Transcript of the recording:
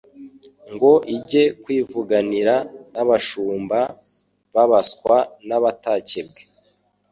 ngo ijye kwivuganira n'abashumba b'abaswa n'abatakebwe.